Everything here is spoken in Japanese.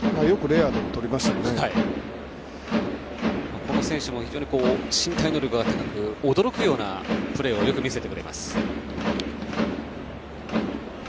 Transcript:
エチェバリアも非常に身体能力も高く驚くようなプレーをよく見せてくれます。